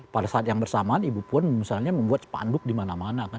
pada saat yang bersamaan ibu puan misalnya membuat spanduk di mana mana kan